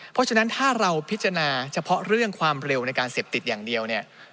เพราะฉะนั้นถ้าเราพิจารณาเฉพาะเรื่องความเร็วในการเสพติดอย่างเดียวเนี่ย